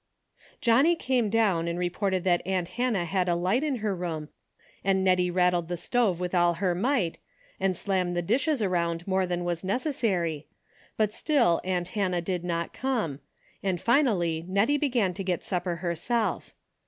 Johnnie came down and reported that aunt 92 DAILY BATEA^ Hannah had a light in her room and Hettio rattled the stove with all her might, and slammed the dishes around more than was necessary, but still aunt Hannah did not come, and finally Nettie began to get supper herself.